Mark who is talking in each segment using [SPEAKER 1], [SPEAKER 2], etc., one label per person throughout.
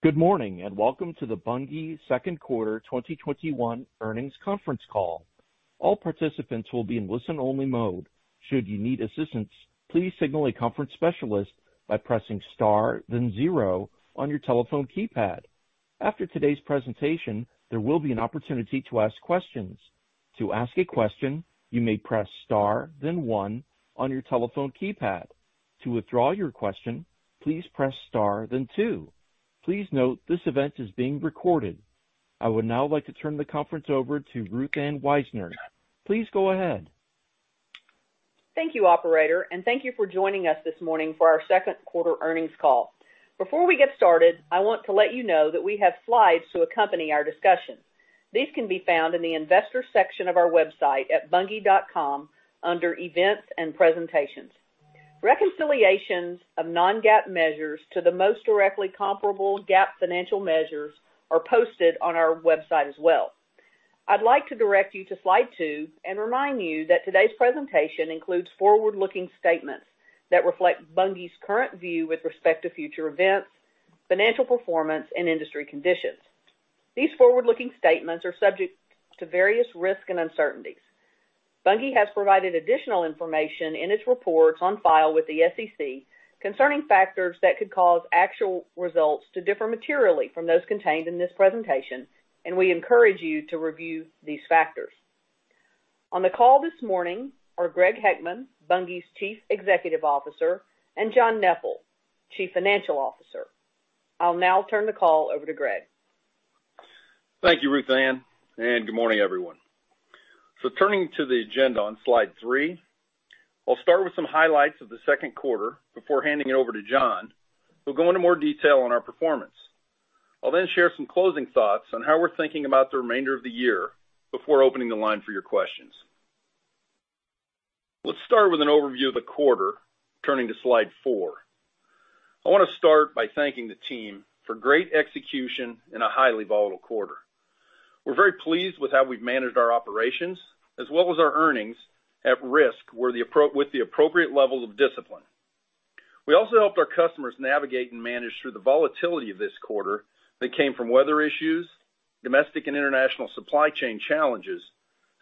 [SPEAKER 1] Good morning, and welcome to the Bunge second quarter 2021 earnings conference call. All participants will be in listen-only mode. Should you need assistance please signal a conference specialist by pressing star then zero on your telephone keypad. After today's presentation, there will be an opportunity to ask questions. To ask a question, you may press star then one on your telephone keypad. To withdraw your question, please press star then two. Please note this event is being recorded. I would now like to turn the conference over to Ruth Ann Wisener. Please go ahead.
[SPEAKER 2] Thank you, operator, and thank you for joining us this morning for our second quarter earnings call. Before we get started, I want to let you know that we have slides to accompany our discussion. These can be found in the investor section of our website at bunge.com under Events and Presentations. Reconciliations of non-GAAP measures to the most directly comparable GAAP financial measures are posted on our website as well. I'd like to direct you to slide two and remind you that today's presentation includes forward-looking statements that reflect Bunge's current view with respect to future events, financial performance, and industry conditions. These forward-looking statements are subject to various risks and uncertainties. Bunge has provided additional information in its reports on file with the SEC concerning factors that could cause actual results to differ materially from those contained in this presentation, and we encourage you to review these factors. On the call this morning are Greg Heckman, Bunge's Chief Executive Officer, and John Neppl, Chief Financial Officer. I'll now turn the call over to Greg.
[SPEAKER 3] Thank you, Ruth Ann, and good morning, everyone. Turning to the agenda on slide three, I'll start with some highlights of the second quarter before handing it over to John, who'll go into more detail on our performance. I'll then share some closing thoughts on how we're thinking about the remainder of the year before opening the line for your questions. Let's start with an overview of the quarter, turning to slide four. I want to start by thanking the team for great execution in a highly volatile quarter. We're very pleased with how we've managed our operations as well as our earnings at risk with the appropriate level of discipline. We also helped our customers navigate and manage through the volatility of this quarter that came from weather issues, domestic and international supply chain challenges,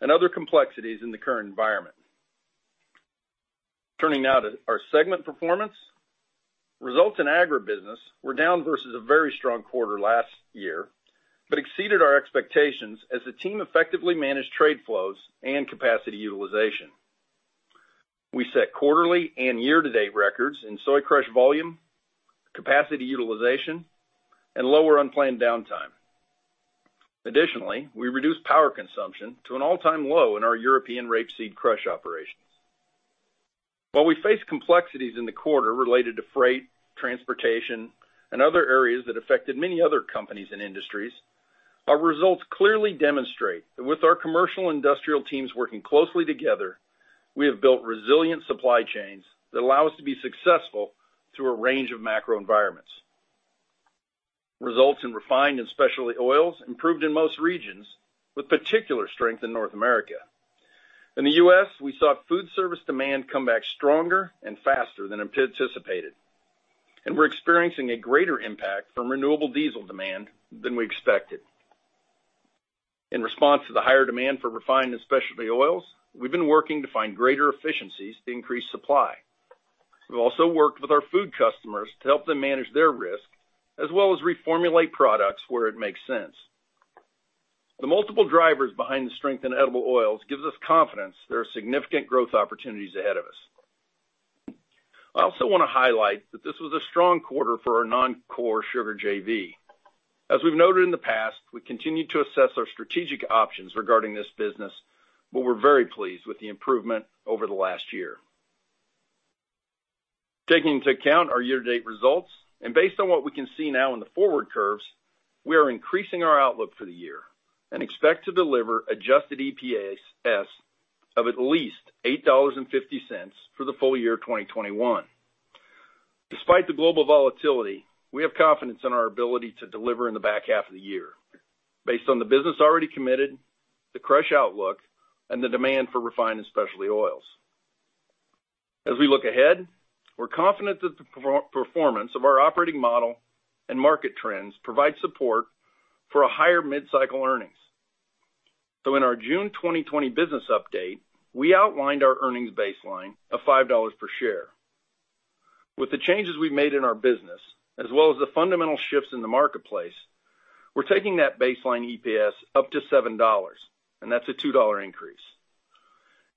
[SPEAKER 3] and other complexities in the current environment. Turning now to our segment performance. Results in agribusiness were down versus a very strong quarter last year, but exceeded our expectations as the team effectively managed trade flows and capacity utilization. We set quarterly and year-to-date records in soy crush volume, capacity utilization, and lower unplanned downtime. Additionally, we reduced power consumption to an all-time low in our European rapeseed crush operations. While we faced complexities in the quarter related to freight, transportation, and other areas that affected many other companies and industries, our results clearly demonstrate that with our commercial industrial teams working closely together, we have built resilient supply chains that allow us to be successful through a range of macro environments. Results in refined and specialty oils improved in most regions, with particular strength in North America. In the U.S., we saw food service demand come back stronger and faster than anticipated, and we're experiencing a greater impact from renewable diesel demand than we expected. In response to the higher demand for refined and specialty oils, we've been working to find greater efficiencies to increase supply. We've also worked with our food customers to help them manage their risk, as well as reformulate products where it makes sense. The multiple drivers behind the strength in edible oils gives us confidence there are significant growth opportunities ahead of us. I also want to highlight that this was a strong quarter for our non-core sugar JV. As we've noted in the past, we continue to assess our strategic options regarding this business, but we're very pleased with the improvement over the last year. Taking into account our year-to-date results and based on what we can see now in the forward curves, we are increasing our outlook for the year and expect to deliver adjusted EPS of at least $8.50 for the full year 2021. Despite the global volatility, we have confidence in our ability to deliver in the back half of the year based on the business already committed, the crush outlook, and the demand for refined and specialty oils. We look ahead, we're confident that the performance of our operating model and market trends provide support for higher mid-cycle earnings. In our June 2020 business update, we outlined our earnings baseline of $5 per share. With the changes we've made in our business, as well as the fundamental shifts in the marketplace, we're taking that baseline EPS up to $7, that's a $2 increase.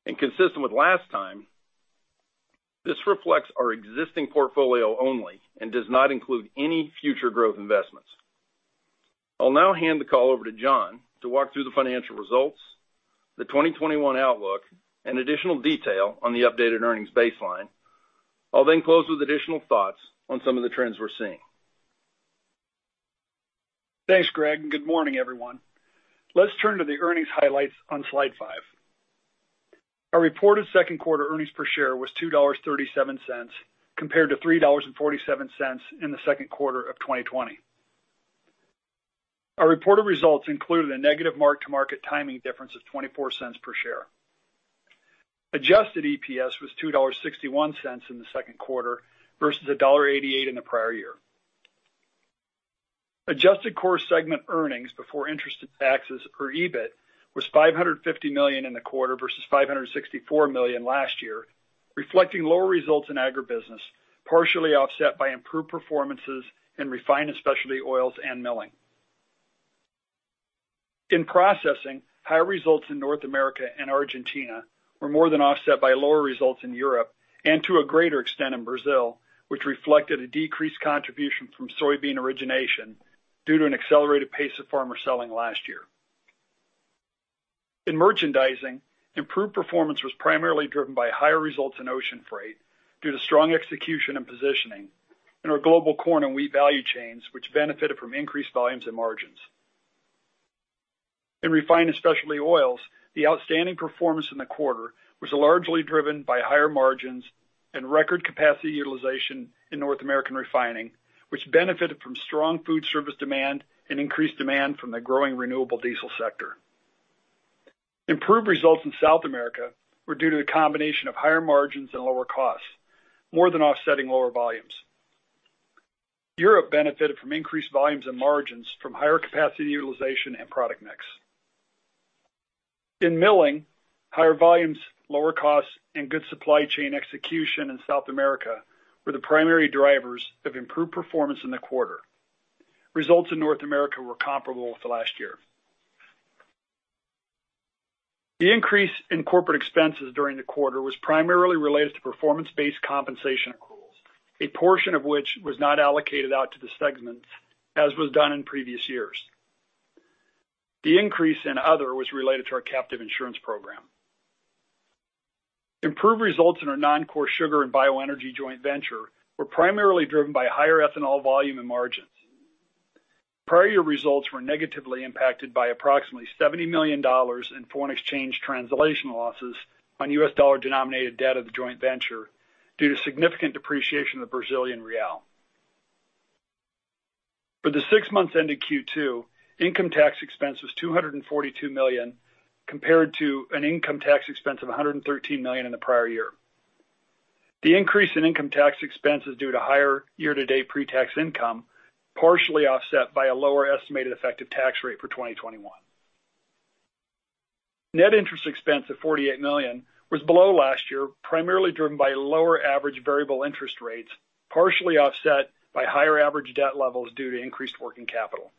[SPEAKER 3] Consistent with last time, this reflects our existing portfolio only and does not include any future growth investments. I'll now hand the call over to John to walk through the financial results, the 2021 outlook, and additional detail on the updated earnings baseline. I'll close with additional thoughts on some of the trends we're seeing.
[SPEAKER 4] Thanks, Greg, and good morning, everyone. Let's turn to the earnings highlights on slide five. Our reported second quarter earnings per share was $2.37 compared to $3.47 in the second quarter of 2020. Our reported results included a negative mark-to-market timing difference of $0.24 per share. Adjusted EPS was $2.61 in the second quarter versus $1.88 in the prior year. Adjusted core segment earnings before interest and taxes, or EBIT, was $550 million in the quarter versus $564 million last year, reflecting lower results in agribusiness, partially offset by improved performances in refined and specialty oils and milling. In processing, higher results in North America and Argentina were more than offset by lower results in Europe and to a greater extent in Brazil, which reflected a decreased contribution from soybean origination due to an accelerated pace of farmer selling last year. In merchandising, improved performance was primarily driven by higher results in ocean freight due to strong execution and positioning in our global corn and wheat value chains, which benefited from increased volumes and margins. In refined and specialty oils, the outstanding performance in the quarter was largely driven by higher margins and record capacity utilization in North American refining, which benefited from strong food service demand and increased demand from the growing renewable diesel sector. Improved results in South America were due to a combination of higher margins and lower costs, more than offsetting lower volumes. Europe benefited from increased volumes and margins from higher capacity utilization and product mix. In milling, higher volumes, lower costs, and good supply chain execution in South America were the primary drivers of improved performance in the quarter. Results in North America were comparable to last year. The increase in corporate expenses during the quarter was primarily related to performance-based compensation accruals, a portion of which was not allocated out to the segments as was done in previous years. The increase in other was related to our captive insurance program. Improved results in our non-core sugar and bioenergy joint venture were primarily driven by higher ethanol volume and margins. Prior year results were negatively impacted by approximately $70 million in foreign exchange translation losses on U.S. Dollar-denominated debt of the joint venture due to significant depreciation of the Brazilian real. For the 6 months ending Q2, income tax expense was $242 million, compared to an income tax expense of $113 million in the prior year. The increase in income tax expense is due to higher year-to-date pre-tax income, partially offset by a lower estimated effective tax rate for 2021. Net interest expense of $48 million was below last year, primarily driven by lower average variable interest rates, partially offset by higher average debt levels due to increased working capital.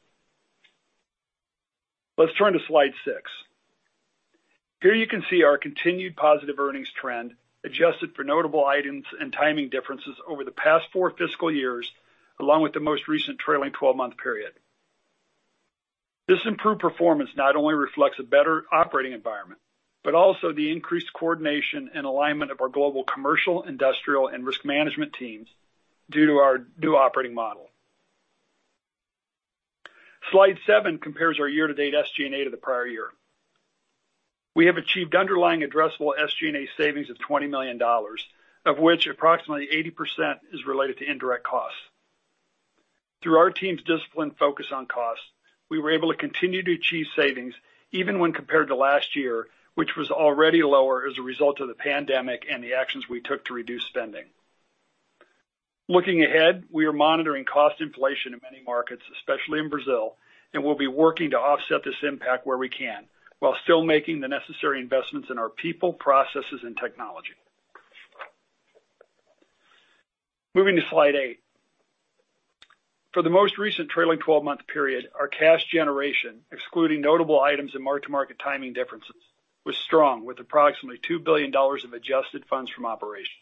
[SPEAKER 4] Let's turn to slide six. Here you can see our continued positive earnings trend, adjusted for notable items and timing differences over the past four fiscal years, along with the most recent trailing 12-month period. This improved performance not only reflects a better operating environment, but also the increased coordination and alignment of our global commercial, industrial, and risk management teams due to our new operating model. Slide seven compares our year-to-date SG&A to the prior year. We have achieved underlying addressable SG&A savings of $20 million, of which approximately 80% is related to indirect costs. Through our team's disciplined focus on costs, we were able to continue to achieve savings even when compared to last year, which was already lower as a result of the pandemic and the actions we took to reduce spending. Looking ahead, we are monitoring cost inflation in many markets, especially in Brazil, and we'll be working to offset this impact where we can while still making the necessary investments in our people, processes, and technology. Moving to slide eight. For the most recent trailing 12-month period, our cash generation, excluding notable items and mark-to-market timing differences, was strong with approximately $2 billion of adjusted funds from operations.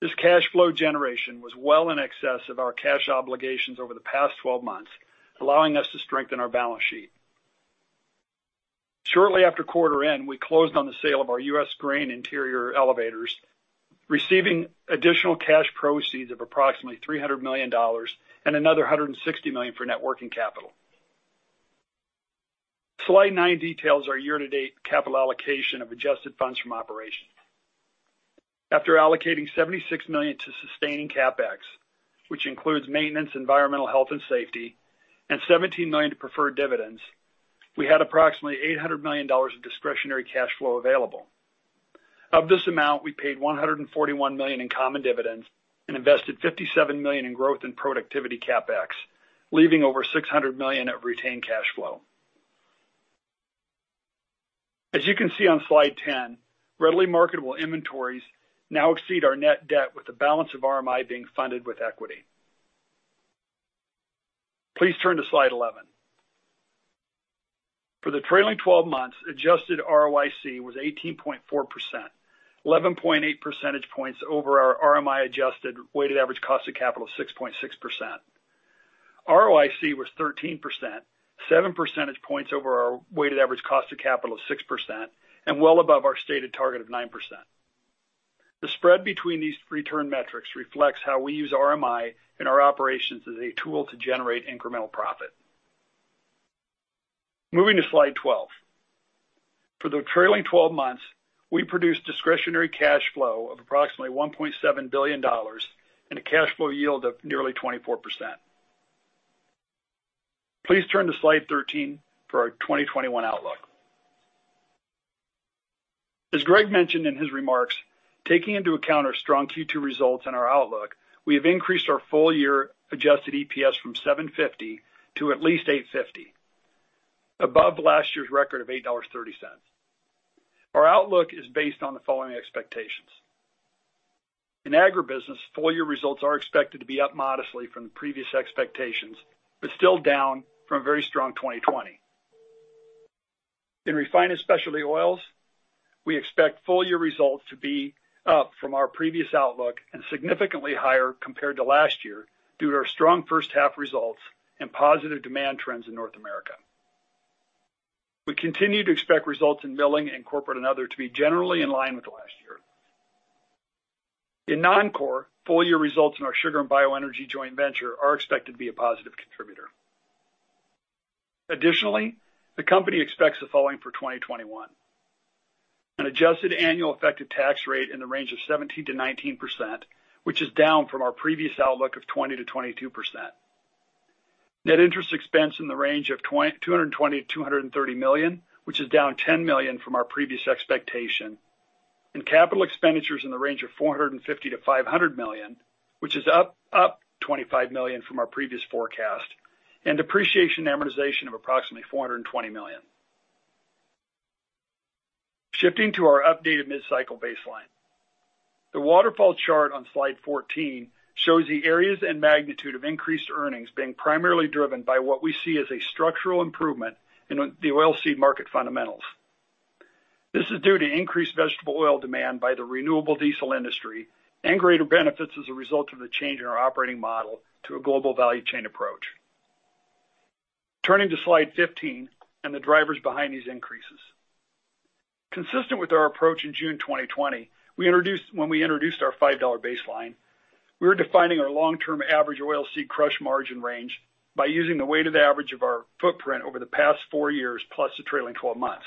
[SPEAKER 4] This cash flow generation was well in excess of our cash obligations over the past 12 months, allowing us to strengthen our balance sheet. Shortly after quarter end, we closed on the sale of our U.S. grain interior elevators, receiving additional cash proceeds of approximately $300 million and another $160 million for net working capital. Slide nine details our year-to-date capital allocation of adjusted funds from operations. After allocating $76 million to sustaining CapEx, which includes maintenance, environmental health, and safety, and $17 million to preferred dividends, we had approximately $800 million of discretionary cash flow available. Of this amount, we paid $141 million in common dividends and invested $57 million in growth and productivity CapEx, leaving over $600 million of retained cash flow. As you can see on slide 10, readily marketable inventories now exceed our net debt with the balance of RMI being funded with equity. Please turn to slide 11. For the trailing 12 months, adjusted ROIC was 18.4%, 11.8 percentage points over our RMI-adjusted weighted average cost of capital of 6.6%. ROIC was 13%, seven percentage points over our weighted average cost of capital of 6%, and well above our stated target of 9%. The spread between these return metrics reflects how we use RMI in our operations as a tool to generate incremental profit. Moving to slide 12. For the trailing 12 months, we produced discretionary cash flow of approximately $1.7 billion and a cash flow yield of nearly 24%. Please turn to slide 13 for our 2021 outlook. As Greg mentioned in his remarks, taking into account our strong Q2 results and our outlook, we have increased our full year adjusted EPS from $7.50 to at least $8.50, above last year's record of $8.30. Our outlook is based on the following expectations. In agribusiness, full year results are expected to be up modestly from the previous expectations, but still down from a very strong 2020. In refined and specialty oils, we expect full year results to be up from our previous outlook and significantly higher compared to last year due to our strong first half results and positive demand trends in North America. We continue to expect results in milling and corporate and other to be generally in line with last year. In non-core, full year results in our sugar and bioenergy joint venture are expected to be a positive contributor. Additionally, the company expects the following for 2021. An adjusted annual effective tax rate in the range of 17%-19%, which is down from our previous outlook of 20%-22%. Net interest expense in the range of $220 million-$230 million, which is down $10 million from our previous expectation. Capital expenditures in the range of $450 million-$500 million, which is up $25 million from our previous forecast. Depreciation and amortization of approximately $420 million. Shifting to our updated mid-cycle baseline. The waterfall chart on slide 14 shows the areas and magnitude of increased earnings being primarily driven by what we see as a structural improvement in the oilseed market fundamentals. This is due to increased vegetable oil demand by the renewable diesel industry and greater benefits as a result of the change in our operating model to a global value chain approach. Turning to slide 15 and the drivers behind these increases. Consistent with our approach in June 2020, when we introduced our $5 baseline, we are defining our long-term average oilseed crush margin range by using the weighted average of our footprint over the past four years plus the trailing 12 months.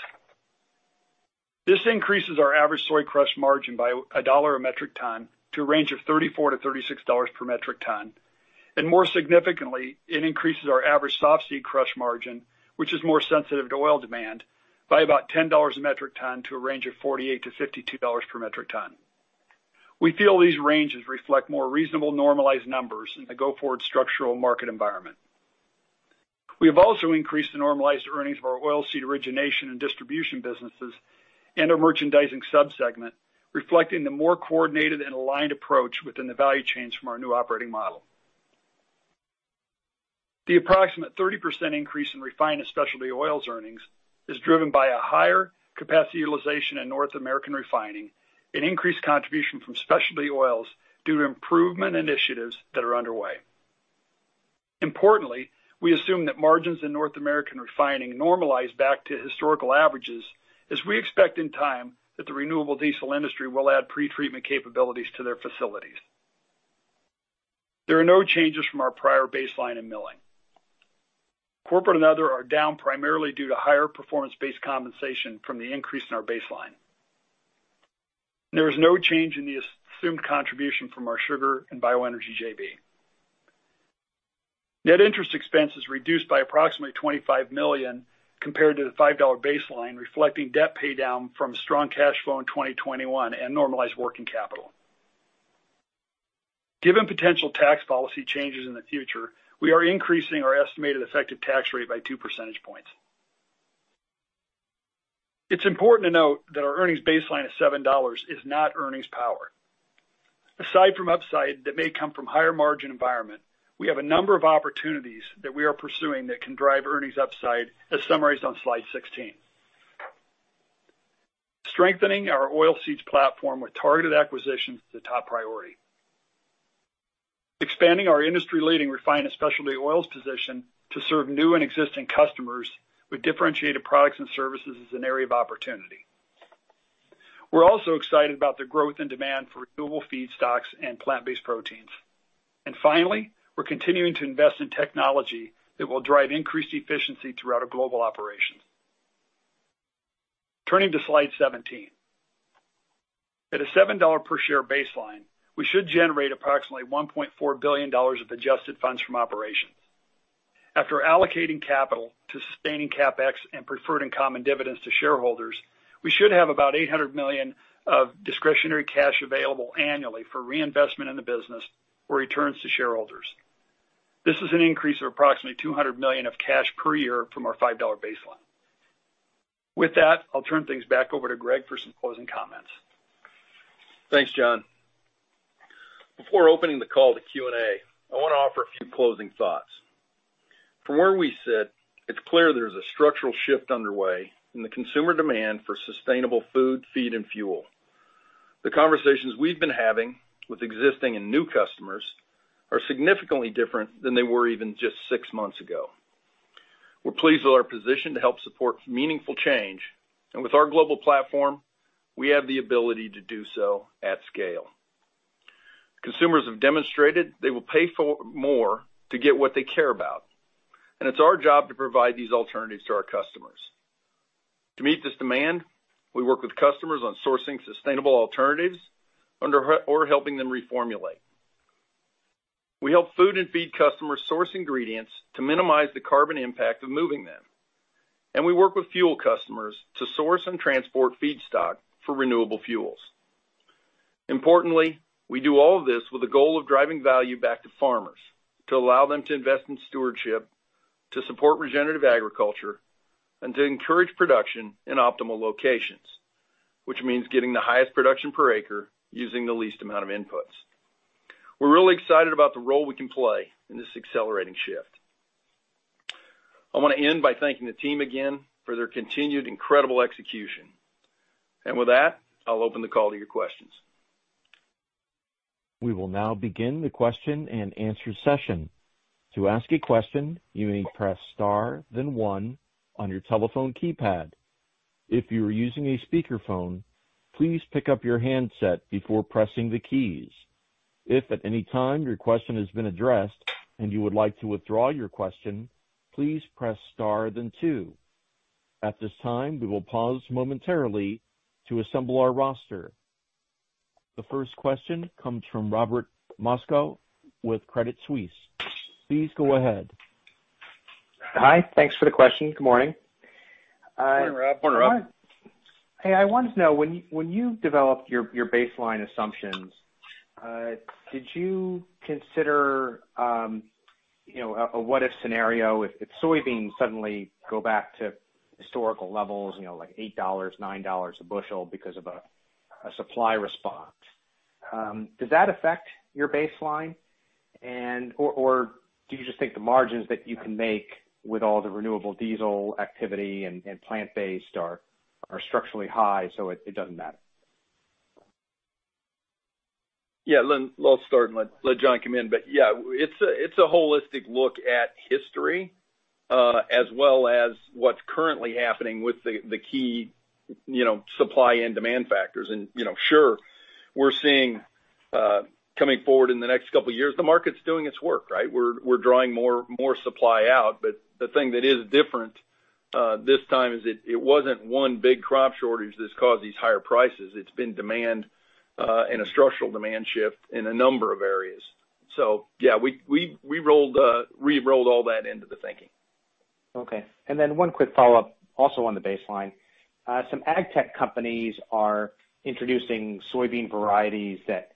[SPEAKER 4] This increases our average soy crush margin by $1 a metric ton to a range of $34-$36 per metric ton, and more significantly, it increases our average softseed crush margin, which is more sensitive to oil demand, by about $10 a metric ton to a range of $48-$52 per metric ton. We feel these ranges reflect more reasonable normalized numbers in the go-forward structural market environment. We have also increased the normalized earnings of our oilseed origination and distribution businesses and our merchandising sub-segment, reflecting the more coordinated and aligned approach within the value chains from our new operating model. The approximate 30% increase in refined and specialty oils earnings is driven by a higher capacity utilization in North American refining and increased contribution from specialty oils due to improvement initiatives that are underway. Importantly, we assume that margins in North American refining normalize back to historical averages as we expect in time that the renewable diesel industry will add pretreatment capabilities to their facilities. There are no changes from our prior baseline in milling. Corporate and other are down primarily due to higher performance-based compensation from the increase in our baseline. There is no change in the assumed contribution from our sugar and bioenergy JV. Net interest expense is reduced by approximately $25 million compared to the $5 baseline, reflecting debt paydown from strong cash flow in 2021 and normalized working capital. Given potential tax policy changes in the future, we are increasing our estimated effective tax rate by two percentage points. It's important to note that our earnings baseline of $7 is not earnings power. Aside from upside that may come from higher margin environment, we have a number of opportunities that we are pursuing that can drive earnings upside, as summarized on slide 16. Strengthening our oilseeds platform with targeted acquisitions is a top priority. Expanding our industry-leading refined and specialty oils position to serve new and existing customers with differentiated products and services is an area of opportunity. We're also excited about the growth and demand for renewable feedstocks and plant-based proteins. Finally, we're continuing to invest in technology that will drive increased efficiency throughout our global operations. Turning to slide 17. At a $7 per share baseline, we should generate approximately $1.4 billion of adjusted funds from operations. After allocating capital to sustaining CapEx and preferred and common dividends to shareholders, we should have about $800 million of discretionary cash available annually for reinvestment in the business or returns to shareholders. This is an increase of approximately $200 million of cash per year from our $5 baseline. With that, I'll turn things back over to Greg for some closing comments.
[SPEAKER 3] Thanks, John. Before opening the call to Q&A, I want to offer a few closing thoughts. From where we sit, it's clear there's a structural shift underway in the consumer demand for sustainable food, feed, and fuel. The conversations we've been having with existing and new customers are significantly different than they were even just six months ago. We're pleased with our position to help support meaningful change, and with our global platform, we have the ability to do so at scale. Consumers have demonstrated they will pay more to get what they care about, and it's our job to provide these alternatives to our customers. To meet this demand, we work with customers on sourcing sustainable alternatives or helping them reformulate. We help food and feed customers source ingredients to minimize the carbon impact of moving them. We work with fuel customers to source and transport feedstock for renewable fuels. Importantly, we do all of this with the goal of driving value back to farmers to allow them to invest in stewardship, to support regenerative agriculture, and to encourage production in optimal locations, which means getting the highest production per acre using the least amount of inputs. We're really excited about the role we can play in this accelerating shift. I want to end by thanking the team again for their continued incredible execution. With that, I'll open the call to your questions.
[SPEAKER 1] We will now begin the question-and-answer session. To ask a question you may press star then one on your telephone keypad. If you are using a speaker phone please pick up your handset before pressing the key. If at anytime your question has been addressed and you would like to withdraw your question, please press star then two. At this time we will pose momentarily to assemble our roster. The first question comes from Robert Moskow with Credit Suisse. Please go ahead.
[SPEAKER 5] Hi. Thanks for the question. Good morning.
[SPEAKER 3] Morning, Rob.
[SPEAKER 5] Hey, I wanted to know, when you developed your baseline assumptions, did you consider a what if scenario if soybeans suddenly go back to historical levels, like $8, $9 a bushel because of a supply response? Does that affect your baseline? Or do you just think the margins that you can make with all the renewable diesel activity and plant-based are structurally high, so it doesn't matter?
[SPEAKER 3] I'll start and let John come in. Yeah, it's a holistic look at history, as well as what's currently happening with the key supply and demand factors. Sure, we're seeing, coming forward in the next couple of years, the market's doing its work, right? We're drawing more supply out. The thing that is different this time is it wasn't one big crop shortage that's caused these higher prices. It's been demand and a structural demand shift in a number of areas. Yeah, we rolled all that into the thinking.
[SPEAKER 5] Okay. One quick follow-up also on the baseline. Some ag tech companies are introducing soybean varieties that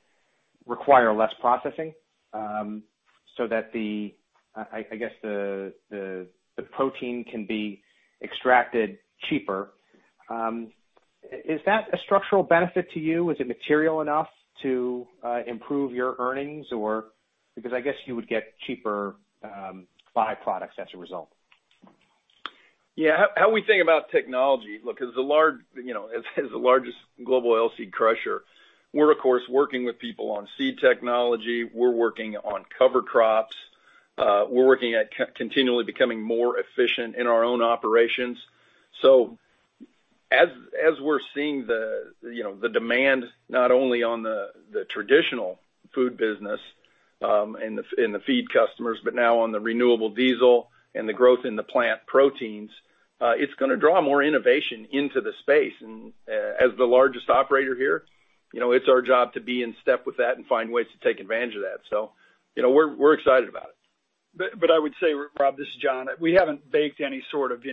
[SPEAKER 5] require less processing, so that the protein can be extracted cheaper. Is that a structural benefit to you? Is it material enough to improve your earnings because I guess you would get cheaper byproducts as a result.
[SPEAKER 3] Yeah. How we think about technology, look, as the largest global oilseed crusher, we're of course working with people on seed technology. We're working on cover crops. We're working at continually becoming more efficient in our own operations. As we're seeing the demand, not only on the traditional food business, and the feed customers, but now on the renewable diesel and the growth in the plant proteins, it's going to draw more innovation into the space. As the largest operator here, it's our job to be in step with that and find ways to take advantage of that. We're excited about it.
[SPEAKER 4] I would say, Rob, this is John. We haven't baked any sort of,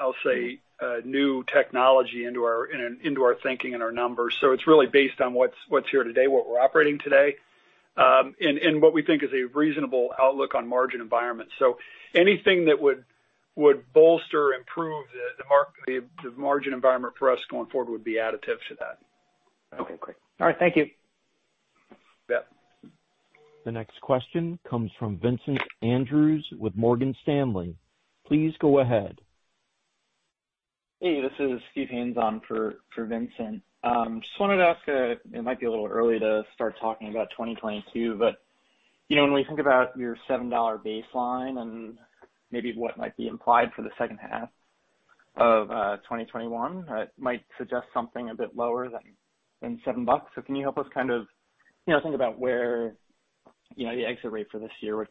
[SPEAKER 4] I'll say, new technology into our thinking and our numbers. It's really based on what's here today, what we're operating today, and what we think is a reasonable outlook on margin environment. Anything that would bolster, improve the margin environment for us going forward would be additive to that.
[SPEAKER 5] Okay, great. All right. Thank you.
[SPEAKER 3] Yep.
[SPEAKER 1] The next question comes from Vincent Andrews with Morgan Stanley. Please go ahead.
[SPEAKER 6] Hey, this is Steven Haynes on for Vincent. Just wanted to ask, it might be a little early to start talking about 2022, but when we think about your $7 baseline and maybe what might be implied for the second half of 2021, it might suggest something a bit lower than $7. Can you help us think about where the exit rate for this year would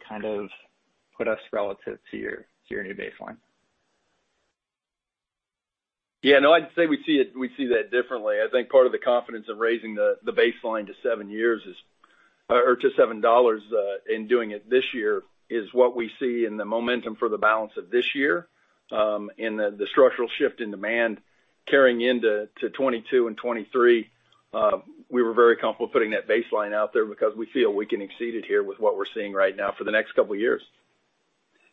[SPEAKER 6] put us relative to your new baseline?
[SPEAKER 3] Yeah, no, I'd say we see that differently. I think part of the confidence of raising the baseline to seven years is or to $7 in doing it this year is what we see in the momentum for the balance of this year, and the structural shift in demand carrying into 2022 and 2023. We were very comfortable putting that baseline out there because we feel we can exceed it here with what we're seeing right now for the next couple years.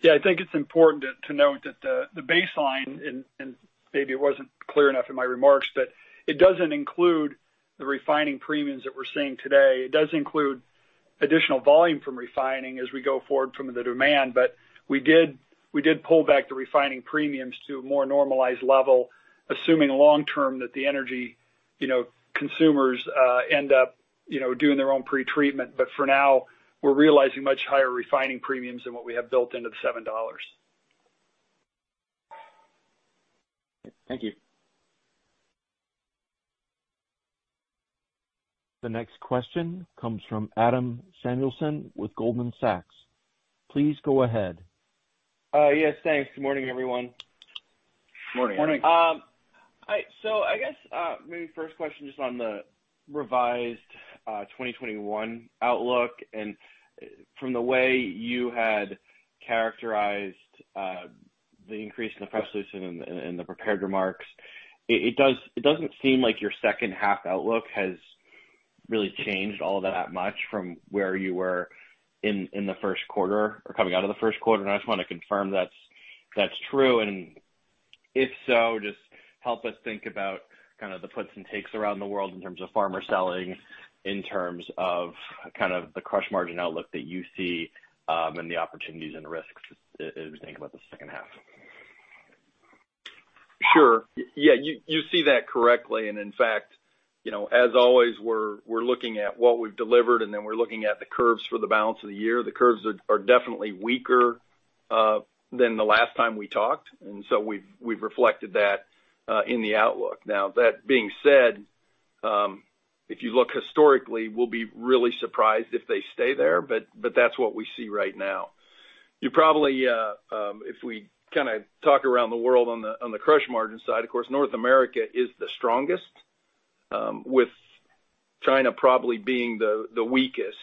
[SPEAKER 4] Yeah, I think it's important to note that the baseline, and maybe it wasn't clear enough in my remarks, but it doesn't include the refining premiums that we're seeing today. It does include additional volume from refining as we go forward from the demand, but we did pull back the refining premiums to a more normalized level, assuming long-term that the energy consumers end up doing their own pretreatment. For now, we're realizing much higher refining premiums than what we have built into the $7.
[SPEAKER 3] Thank you.
[SPEAKER 1] The next question comes from Adam Samuelson with Goldman Sachs. Please go ahead.
[SPEAKER 7] Yes, thanks. Good morning, everyone.
[SPEAKER 3] Morning.
[SPEAKER 4] Morning.
[SPEAKER 7] I guess maybe first question just on the revised 2021 outlook and from the way you had characterized the increase in the press release and the prepared remarks, it doesn't seem like your second half outlook has really changed all that much from where you were in the first quarter or coming out of the first quarter, and I just want to confirm that's true, and if so, just help us think about kind of the puts and takes around the world in terms of farmer selling, in terms of the crush margin outlook that you see, and the opportunities and risks as we think about the second half?
[SPEAKER 3] Sure. Yeah, you see that correctly. In fact, as always, we're looking at what we've delivered, and then we're looking at the curves for the balance of the year. The curves are definitely weaker than the last time we talked, and so we've reflected that in the outlook. Now, that being said, if you look historically, we'll be really surprised if they stay there, but that's what we see right now. If we talk around the world on the crush margin side, of course, North America is the strongest, with China probably being the weakest.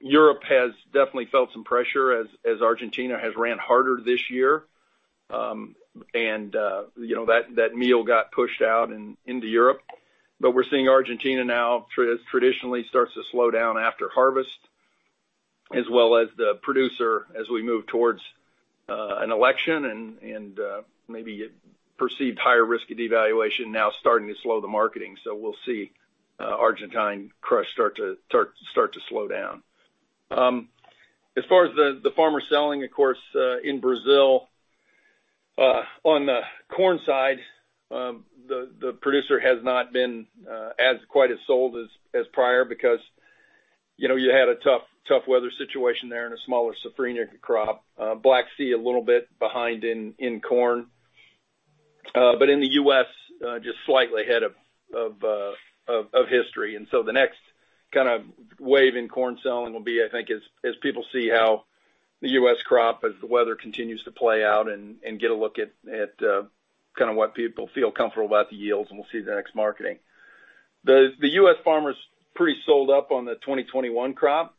[SPEAKER 3] Europe has definitely felt some pressure as Argentina has ran harder this year. That meal got pushed out into Europe. We're seeing Argentina now traditionally starts to slow down after harvest, as well as the producer as we move towards an election and maybe perceived higher risk of devaluation now starting to slow the marketing. We'll see Argentine crush start to slow down. As far as the farmer selling, of course, in Brazil, on the corn side, the producer has not been as quite as sold as prior because you had a tough weather situation there and a smaller safrinha crop. Black Sea a little bit behind in corn. In the U.S., just slightly ahead of history. The next kind of wave in corn selling will be, I think, as people see how the U.S. crop, as the weather continues to play out and get a look at what people feel comfortable about the yields, and we'll see the next marketing. The U.S. farmers pretty sold up on the 2021 crop.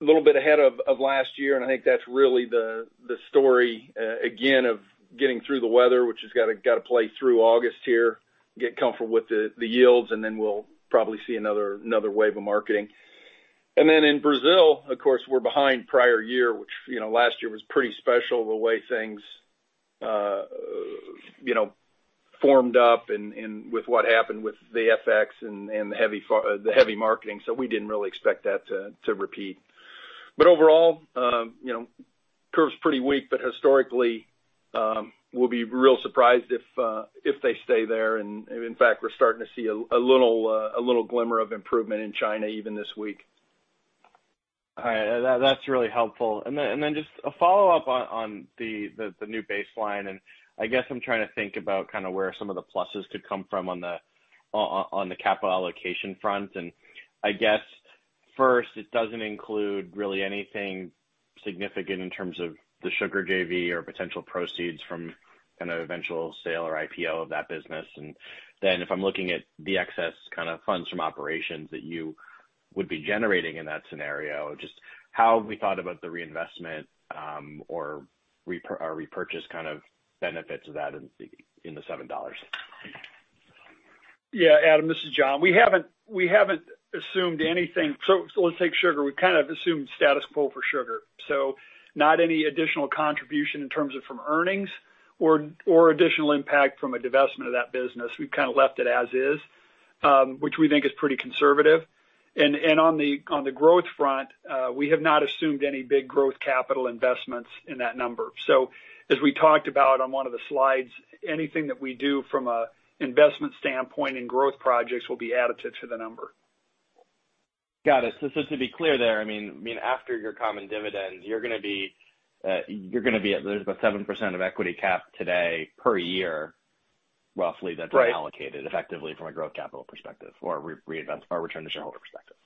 [SPEAKER 3] Little bit ahead of last year, I think that's really the story, again, of getting through the weather, which has got to play through August here, get comfortable with the yields, then we'll probably see another wave of marketing. In Brazil, of course, we're behind prior year, which last year was pretty special the way things formed up and with what happened with the FX and the heavy marketing. We didn't really expect that to repeat. Overall, curve's pretty weak, but historically, we'll be real surprised if they stay there, and in fact, we're starting to see a little glimmer of improvement in China even this week.
[SPEAKER 7] All right. That's really helpful. Just a follow-up on the new baseline, I'm trying to think about where some of the pluses could come from on the capital allocation front. First, it doesn't include really anything significant in terms of the sugar JV or potential proceeds from an eventual sale or IPO of that business. If I'm looking at the excess funds from operations that you would be generating in that scenario, just how we thought about the reinvestment or repurchase kind of benefits of that in the $7.
[SPEAKER 4] Yeah, Adam, this is John. We haven't assumed anything. Let's take sugar. We've kind of assumed status quo for sugar. Not any additional contribution in terms of from earnings or additional impact from a divestment of that business. We've kind of left it as is, which we think is pretty conservative. On the growth front, we have not assumed any big growth capital investments in that number. As we talked about on one of the slides, anything that we do from an investment standpoint and growth projects will be additive to the number.
[SPEAKER 7] Got it. Just to be clear there, after your common dividends, there's about 7% of equity cap today per year.
[SPEAKER 4] That's reallocated effectively from a growth capital perspective or a return to shareholder perspective.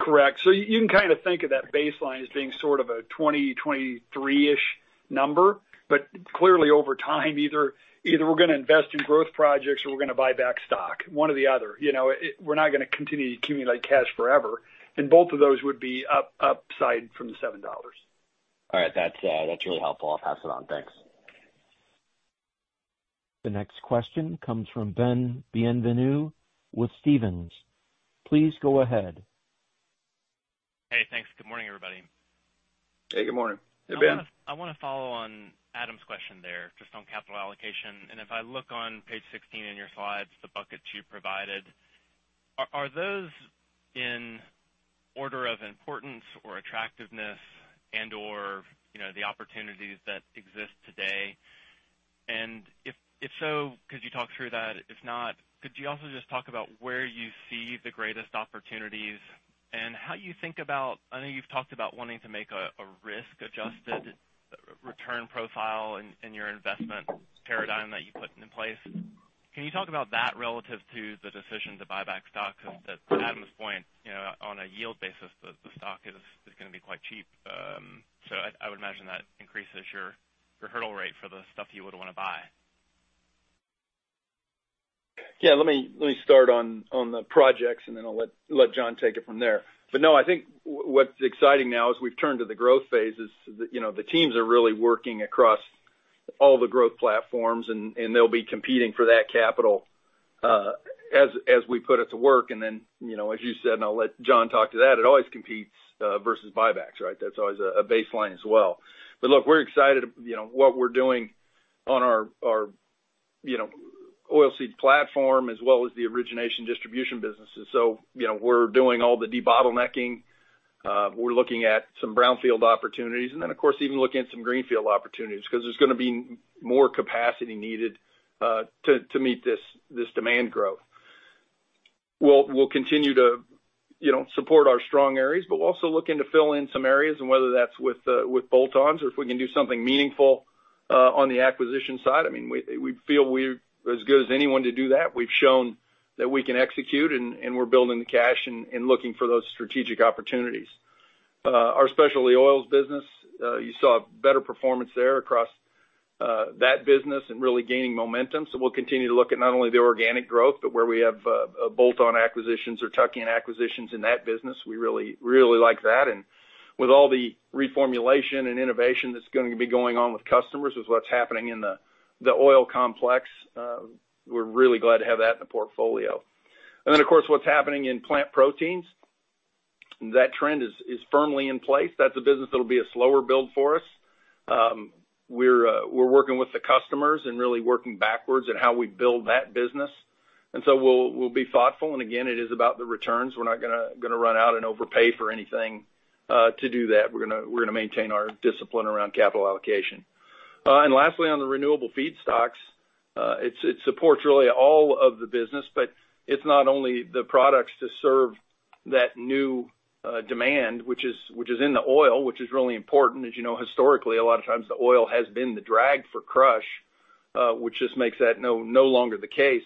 [SPEAKER 4] Correct. You can kind of think of that baseline as being sort of a 2023-ish number. Clearly over time, either we're going to invest in growth projects or we're going to buy back stock, one or the other. We're not going to continue to accumulate cash forever, and both of those would be upside from the $7.
[SPEAKER 7] All right. That's really helpful. I'll pass it on. Thanks.
[SPEAKER 1] The next question comes from Ben Bienvenu with Stephens. Please go ahead.
[SPEAKER 8] Hey, thanks. Good morning, everybody.
[SPEAKER 3] Hey, good morning.
[SPEAKER 4] Hey, Ben.
[SPEAKER 8] I want to follow on Adam's question there, just on capital allocation. If I look on page 16 in your slides, the buckets you provided, are those in order of importance or attractiveness and/or the opportunities that exist today? If so, could you talk through that? If not, could you also just talk about where you see the greatest opportunities and how you think about. I know you've talked about wanting to make a risk-adjusted return profile in your investment paradigm that you put in place. Can you talk about that relative to the decision to buy back stock. Because to Adam's point, on a yield basis, the stock is going to be quite cheap. I would imagine that increases your hurdle rate for the stuff you would want to buy.
[SPEAKER 3] Yeah. Let me start on the projects, and then I'll let John take it from there. No, I think what's exciting now is we've turned to the growth phases. The teams are really working across all the growth platforms, and they'll be competing for that capital as we put it to work. As you said, and I'll let John talk to that, it always competes versus buybacks, right? That's always a baseline as well. Look, we're excited what we're doing on our oilseeds platform, as well as the origination distribution businesses. We're doing all the debottlenecking. We're looking at some brownfield opportunities and then, of course, even looking at some greenfield opportunities, because there's going to be more capacity needed to meet this demand growth. We'll continue to support our strong areas, but we'll also look into fill in some areas and whether that's with bolt-ons or if we can do something meaningful on the acquisition side. We feel we're as good as anyone to do that. We've shown that we can execute, and we're building the cash and looking for those strategic opportunities. Our specialty oils business, you saw better performance there across that business and really gaining momentum. We'll continue to look at not only the organic growth, but where we have bolt-on acquisitions or tuck-in acquisitions in that business. We really like that. With all the reformulation and innovation that's going to be going on with customers, with what's happening in the oil complex, we're really glad to have that in the portfolio. Of course, what's happening in plant proteins, that trend is firmly in place. That's a business that'll be a slower build for us. We're working with the customers and really working backwards in how we build that business. We'll be thoughtful. Again, it is about the returns. We're not going to run out and overpay for anything to do that. We're going to maintain our discipline around capital allocation. Lastly, on the renewable feedstocks, it supports really all of the business, but it's not only the products to serve that new demand, which is in the oil, which is really important. As you know, historically, a lot of times the oil has been the drag for crush, which just makes that no longer the case.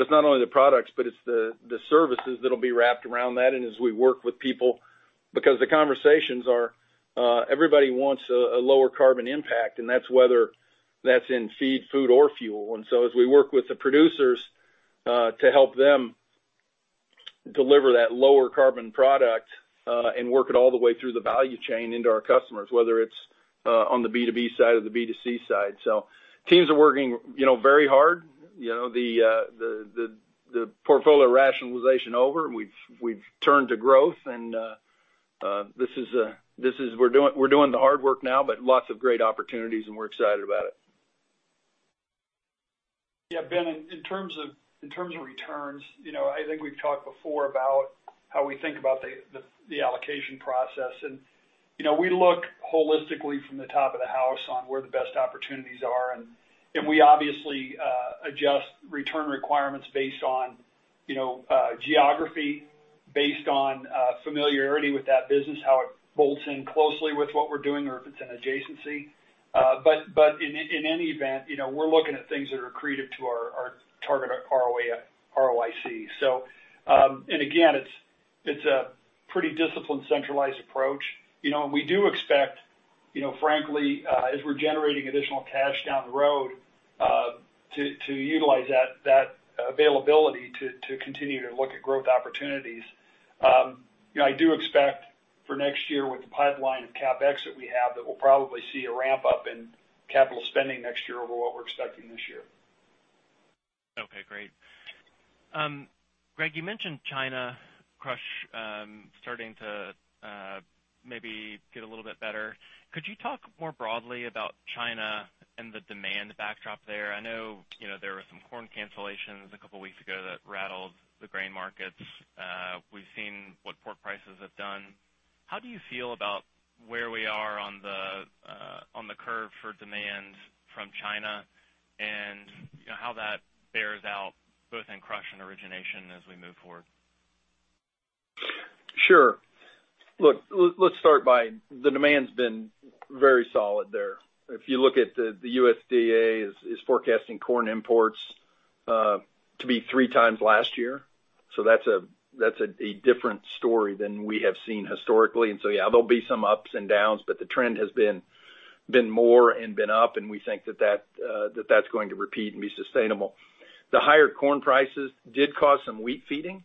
[SPEAKER 3] It's not only the products, but it's the services that'll be wrapped around that, and as we work with people, because the conversations are everybody wants a lower carbon impact, and that's whether that's in feed, food, or fuel. As we work with the producers to help them deliver that lower carbon product and work it all the way through the value chain into our customers, whether it's on the B2B side or the B2C side. Teams are working very hard. The portfolio rationalization over, and we've turned to growth, and we're doing the hard work now, but lots of great opportunities, and we're excited about it.
[SPEAKER 4] Yeah, Ben, in terms of returns, I think we've talked before about how we think about the allocation process. We look holistically from the top of the house on where the best opportunities are, and we obviously adjust return requirements based on geography, based on familiarity with that business, how it bolts in closely with what we're doing, or if it's an adjacency. In any event, we're looking at things that are accretive to our target ROIC. Again, it's a pretty disciplined, centralized approach. We do expect, frankly, as we're generating additional cash down the road, to utilize that availability to continue to look at growth opportunities. I do expect for next year with the pipeline of CapEx that we have, that we'll probably see a ramp up in capital spending next year over what we're expecting this year.
[SPEAKER 8] Okay, great. Greg, you mentioned China crush starting to maybe get a little bit better. Could you talk more broadly about China and the demand backdrop there? I know there were some corn cancellations a couple of weeks ago that rattled the grain markets. We've seen what pork prices have done. How do you feel about where we are on the curve for demand from China and how that bears out both in crush and origination as we move forward?
[SPEAKER 3] Sure. Look, let's start by, the demand's been very solid there. If you look at the USDA is forecasting corn imports to be 3x last year. That's a different story than we have seen historically. Yeah, there'll be some ups and downs, but the trend has been more and been up, and we think that that's going to repeat and be sustainable. The higher corn prices did cause some wheat feeding.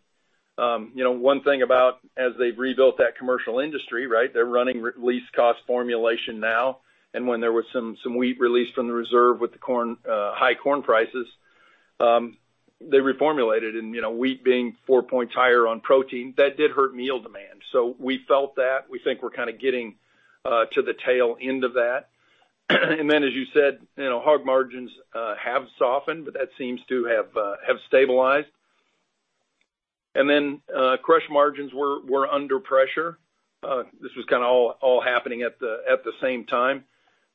[SPEAKER 3] One thing about as they've rebuilt that commercial industry, right? They're running least-cost formulation now. When there was some wheat released from the reserve with the high corn prices, they reformulated and wheat being four points higher on protein, that did hurt meal demand. We felt that. We think we're kind of getting to the tail end of that. As you said, hog margins have softened, but that seems to have stabilized. Crush margins were under pressure. This was kind of all happening at the same time.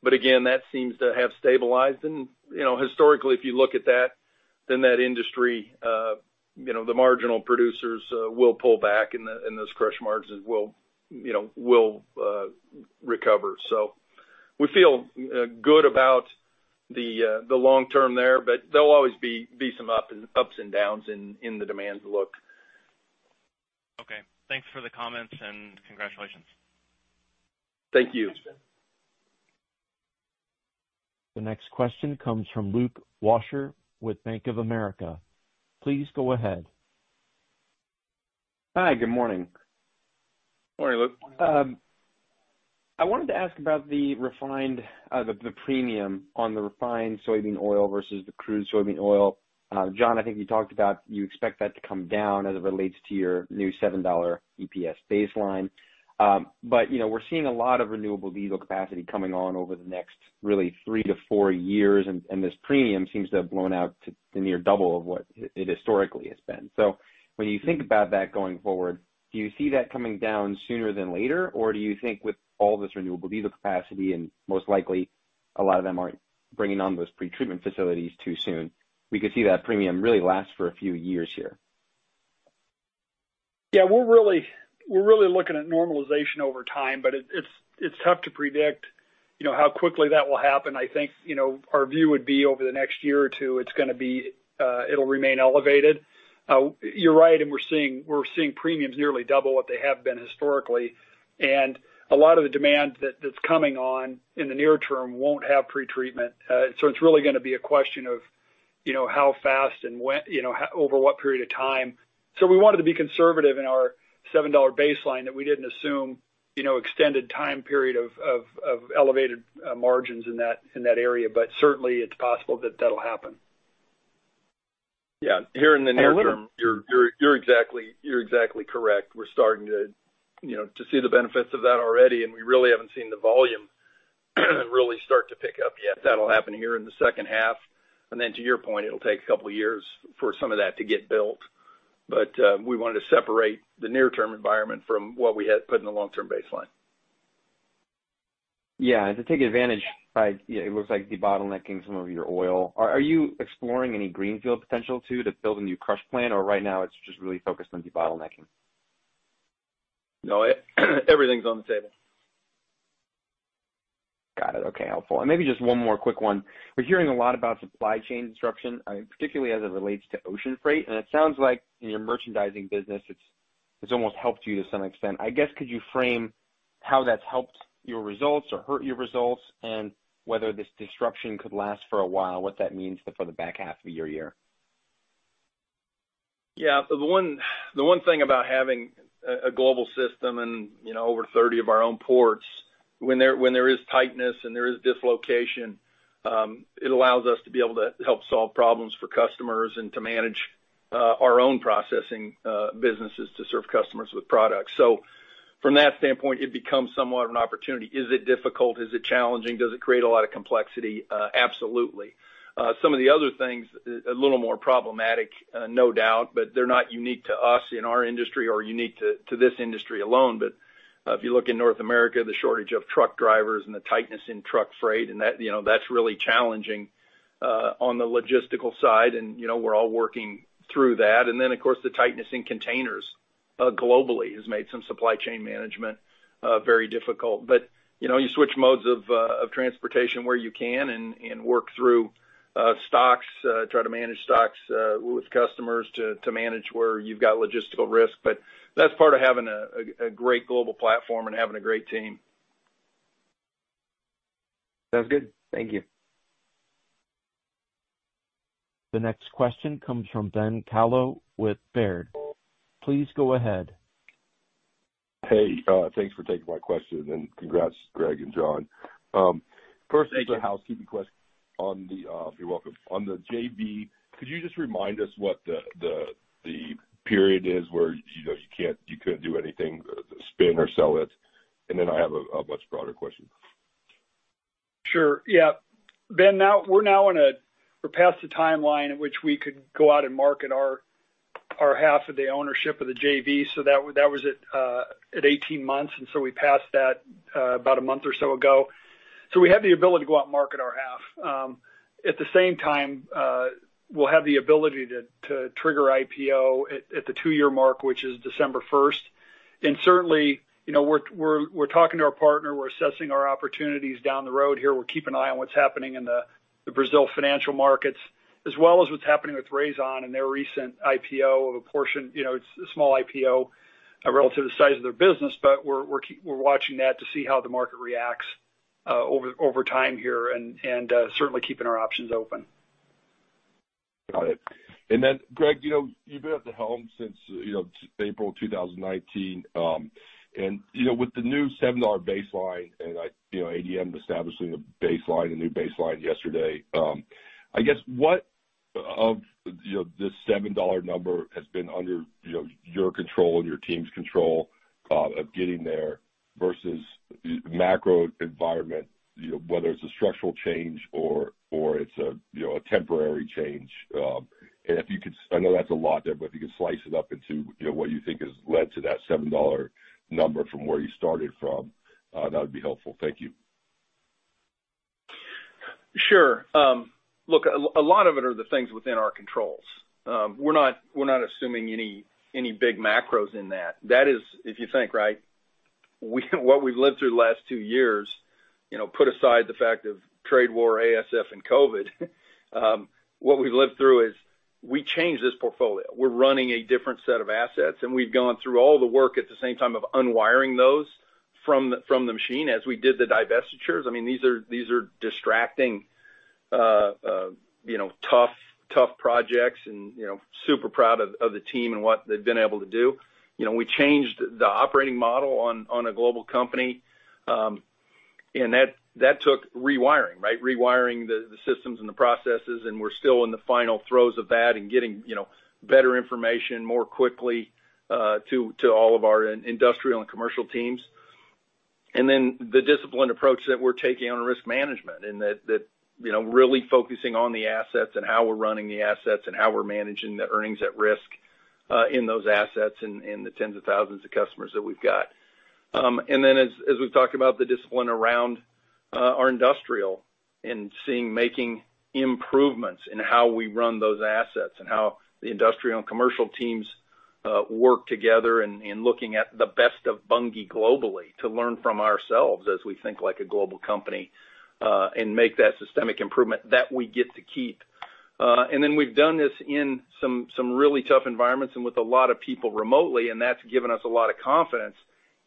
[SPEAKER 3] Again, that seems to have stabilized. Historically, if you look at that, then that industry, the marginal producers will pull back and those crush margins will recover. We feel good about the long-term there, but there'll always be some ups and downs in the demand look.
[SPEAKER 8] Okay. Thanks for the comments and congratulations.
[SPEAKER 3] Thank you.
[SPEAKER 8] Thanks.
[SPEAKER 1] The next question comes from Luke Washer with Bank of America. Please go ahead.
[SPEAKER 9] Hi, good morning.
[SPEAKER 3] Morning, Luke.
[SPEAKER 9] I wanted to ask about the premium on the refined soybean oil versus the crude soybean oil. John, I think you talked about you expect that to come down as it relates to your new $7 EPS baseline. We're seeing a lot of renewable diesel capacity coming on over the next really three to four years, and this premium seems to have blown out to the near double of what it historically has been. When you think about that going forward, do you see that coming down sooner than later? Do you think with all this renewable diesel capacity and most likely a lot of them aren't bringing on those pretreatment facilities too soon, we could see that premium really last for a few years here?
[SPEAKER 4] Yeah, we're really looking at normalization over time. It's tough to predict how quickly that will happen. I think, our view would be over the next year or two, it'll remain elevated. You're right. We're seeing premiums nearly double what they have been historically. A lot of the demand that's coming on in the near term won't have pretreatment. It's really going to be a question of how fast and over what period of time. We wanted to be conservative in our $7 baseline that we didn't assume extended time period of elevated margins in that area. Certainly, it's possible that that'll happen.
[SPEAKER 3] Yeah. Here in the near term, you're exactly correct. We're starting to see the benefits of that already, and we really haven't seen the volume really start to pick up yet. That'll happen here in the second half. To your point, it'll take a couple of years for some of that to get built. We wanted to separate the near-term environment from what we had put in the long-term baseline.
[SPEAKER 9] Yeah. To take advantage, it looks like debottlenecking some of your oil. Are you exploring any greenfield potential too, to build a new crush plant? Right now it's just really focused on debottlenecking?
[SPEAKER 3] No, everything's on the table.
[SPEAKER 9] Got it. Okay. Helpful. Maybe just one more quick one. We're hearing a lot about supply chain disruption, particularly as it relates to ocean freight, and it sounds like in your merchandising business, it's almost helped you to some extent. I guess, could you frame how that's helped your results or hurt your results? Whether this disruption could last for a while, what that means for the back half of your year.
[SPEAKER 3] Yeah. The one thing about having a global system and over 30 of our own ports, when there is tightness and there is dislocation, it allows us to be able to help solve problems for customers and to manage our own processing businesses to serve customers with products. From that standpoint, it becomes somewhat of an opportunity. Is it difficult? Is it challenging? Does it create a lot of complexity? Absolutely. Some of the other things, a little more problematic, no doubt, but they're not unique to us in our industry or unique to this industry alone. If you look in North America, the shortage of truck drivers and the tightness in truck freight, and that's really challenging, on the logistical side, and we're all working through that. Of course, the tightness in containers globally has made some supply chain management very difficult. You switch modes of transportation where you can and work through stocks, try to manage stocks with customers to manage where you've got logistical risk. That's part of having a great global platform and having a great team.
[SPEAKER 9] Sounds good. Thank you.
[SPEAKER 1] The next question comes from Ben Kallo with Baird. Please go ahead.
[SPEAKER 10] Hey, thanks for taking my question and congrats, Greg and John.
[SPEAKER 3] Thank you.
[SPEAKER 10] First, just a housekeeping question. You're welcome. On the JV, could you just remind us what the period is where you couldn't do anything, spin or sell it? I have a much broader question.
[SPEAKER 4] Sure. Yeah. Ben, we're past the timeline in which we could go out and market our half of the ownership of the JV. That was at 18 months, we passed that about a month or so ago. We have the ability to go out and market our half. At the same time, we'll have the ability to trigger IPO at the two-year mark, which is December 1. Certainly, we're talking to our partner. We're assessing our opportunities down the road here. We're keeping an eye on what's happening in the Brazil financial markets, as well as what's happening with Raízen and their recent IPO of a portion. It's a small IPO relative to the size of their business, we're watching that to see how the market reacts over time here and certainly keeping our options open.
[SPEAKER 10] Got it. Then Greg, you've been at the helm since April 2019. With the new $7 baseline and ADM establishing a baseline, a new baseline yesterday, I guess what of this $7 number has been under your control and your team's control of getting there? Versus the macro environment, whether it's a structural change or it's a temporary change. I know that's a lot there, but if you could slice it up into what you think has led to that $7 number from where you started from, that would be helpful. Thank you.
[SPEAKER 3] Sure. Look, a lot of it are the things within our controls. We're not assuming any big macros in that. That is, if you think, right? What we've lived through the last two years, put aside the fact of trade war, ASF, and COVID, what we've lived through is we changed this portfolio. We're running a different set of assets, and we've gone through all the work at the same time of unwiring those from the machine as we did the divestitures. These are distracting, tough projects and super proud of the team and what they've been able to do. We changed the operating model on a global company, and that took rewiring, right? Rewiring the systems and the processes, and we're still in the final throes of that and getting better information more quickly to all of our industrial and commercial teams. The disciplined approach that we're taking on risk management, and that really focusing on the assets and how we're running the assets and how we're managing the earnings at risk in those assets in the tens of thousands of customers that we've got. As we've talked about the discipline around our industrial and making improvements in how we run those assets and how the industrial and commercial teams work together and looking at the best of Bunge globally to learn from ourselves as we think like a global company, and make that systemic improvement that we get to keep. We've done this in some really tough environments and with a lot of people remotely, and that's given us a lot of confidence,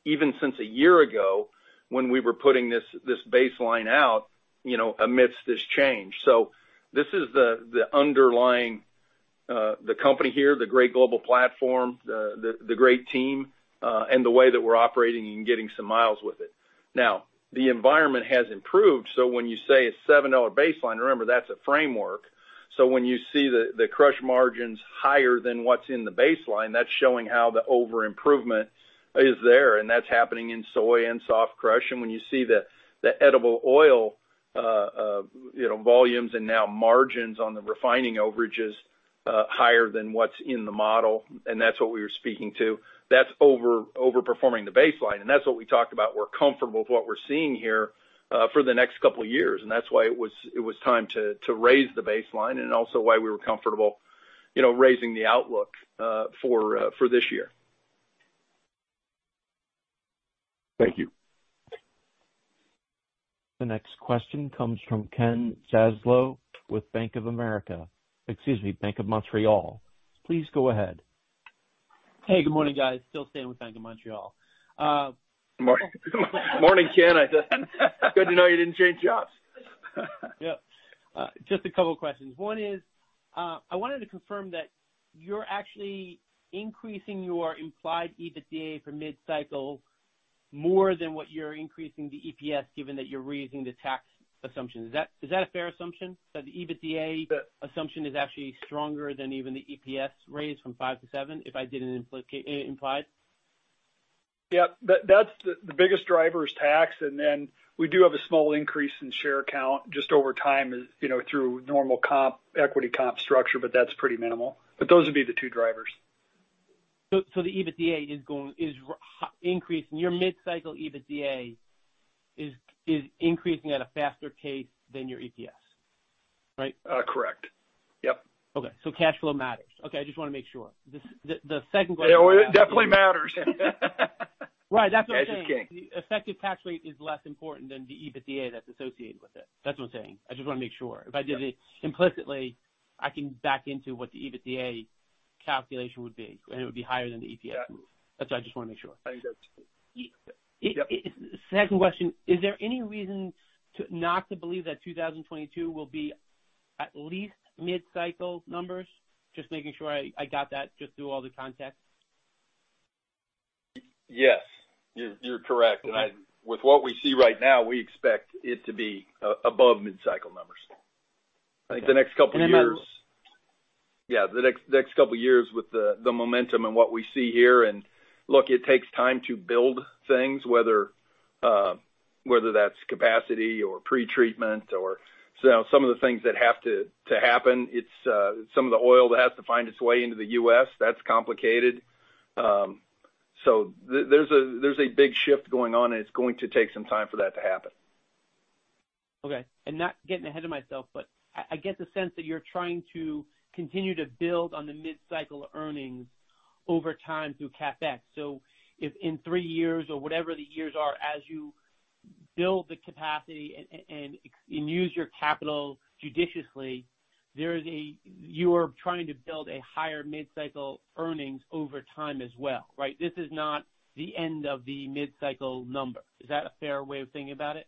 [SPEAKER 3] even since a year ago when we were putting this baseline out amidst this change. This is the underlying company here, the great global platform, the great team, and the way that we're operating and getting some miles with it. Now, the environment has improved, so when you say a $7 baseline, remember, that's a framework. When you see the crush margins higher than what's in the baseline, that's showing how the over-improvement is there, and that's happening in soy and soft crush. When you see the edible oil volumes and now margins on the refining overages higher than what's in the model, and that's what we were speaking to. That's over-performing the baseline. That's what we talked about. We're comfortable with what we're seeing here for the next couple of years, and that's why it was time to raise the baseline and also why we were comfortable raising the outlook for this year.
[SPEAKER 10] Thank you.
[SPEAKER 1] The next question comes from Kenneth Zaslow with Bank of America. Excuse me, Bank of Montreal. Please go ahead.
[SPEAKER 11] Hey, good morning, guys. Still staying with Bank of Montreal.
[SPEAKER 3] Morning, Ken. Good to know you didn't change jobs.
[SPEAKER 11] Yep. Just a couple of questions. One is, I wanted to confirm that you're actually increasing your implied EBITDA for mid-cycle more than what you're increasing the EPS, given that you're raising the tax assumption. Is that a fair assumption? The EBITDA assumption is actually stronger than even the EPS raise from five to seven, if I didn't imply?
[SPEAKER 4] Yep. The biggest driver is tax, and then we do have a small increase in share count just over time through normal equity comp structure, but that's pretty minimal. Those would be the two drivers.
[SPEAKER 11] The EBITDA is increasing. Your mid-cycle EBITDA is increasing at a faster pace than your EPS, right?
[SPEAKER 4] Correct. Yep.
[SPEAKER 11] Okay. cash flow matters. Okay, I just want to make sure. The second question.
[SPEAKER 3] It definitely matters.
[SPEAKER 11] Right. That's what I'm saying. The effective tax rate is less important than the EBITDA that's associated with it. That's what I'm saying. I just want to make sure. If I did it implicitly, I can back into what the EBITDA calculation would be, and it would be higher than the EPS move. That's why I just want to make sure.
[SPEAKER 4] I think that's true. Yep.
[SPEAKER 11] Second question, is there any reason not to believe that 2022 will be at least mid-cycle numbers? Just making sure I got that just through all the context.
[SPEAKER 3] Yes. You're correct. With what we see right now, we expect it to be above mid-cycle numbers. I think the next couple years. Yeah, the next couple of years with the momentum and what we see here. Look, it takes time to build things, whether that's capacity or pretreatment. Some of the things that have to happen, it's some of the oil that has to find its way into the U.S., that's complicated. There's a big shift going on, and it's going to take some time for that to happen.
[SPEAKER 11] Okay. Not getting ahead of myself, but I get the sense that you're trying to continue to build on the mid-cycle earnings over time through CapEx. If in three years or whatever the years are, as you build the capacity and use your capital judiciously, you are trying to build a higher mid-cycle earnings over time as well, right? This is not the end of the mid-cycle number. Is that a fair way of thinking about it?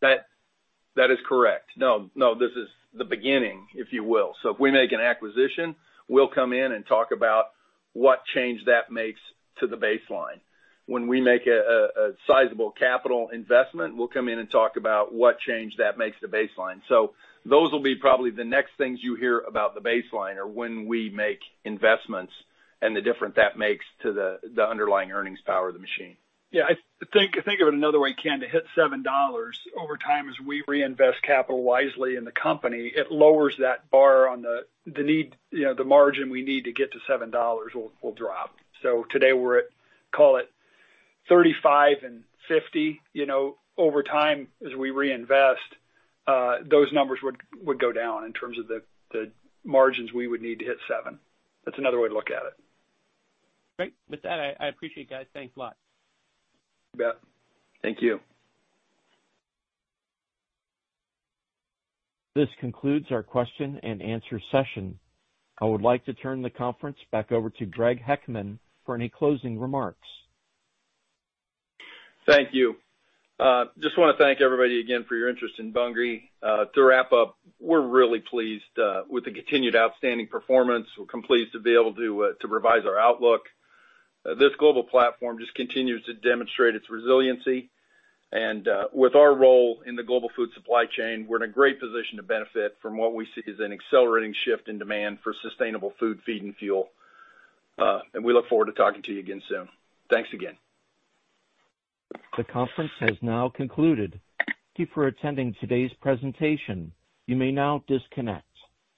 [SPEAKER 3] That is correct. No, this is the beginning, if you will. If we make an acquisition, we'll come in and talk about what change that makes to the baseline. When we make a sizable capital investment, we'll come in and talk about what change that makes to baseline. Those will be probably the next things you hear about the baseline or when we make investments and the difference that makes to the underlying earnings power of the machine.
[SPEAKER 4] Yeah. Think of it another way, Ken. To hit $7 over time as we reinvest capital wisely in the company, it lowers that bar on the margin we need to get to $7 will drop. Today we're at, call it 35% and 50%. Over time, as we reinvest, those numbers would go down in terms of the margins we would need to hit 7. That's another way to look at it.
[SPEAKER 11] Great. With that, I appreciate it, guys. Thanks a lot.
[SPEAKER 3] You bet. Thank you.
[SPEAKER 1] This concludes our question and answer session. I would like to turn the conference back over to Greg Heckman for any closing remarks.
[SPEAKER 3] Thank you. Just want to thank everybody again for your interest in Bunge. To wrap up, we're really pleased with the continued outstanding performance. We're pleased to be able to revise our outlook. This global platform just continues to demonstrate its resiliency. With our role in the global food supply chain, we're in a great position to benefit from what we see as an accelerating shift in demand for sustainable food, feed, and fuel. We look forward to talking to you again soon. Thanks again.
[SPEAKER 1] The conference has now concluded. Thank you for attending today's presentation. You may now disconnect.